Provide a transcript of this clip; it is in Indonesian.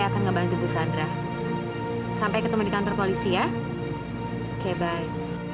lupa nanti bahan tubuh sandra sampai ketemu di kantor polisi ya oke baik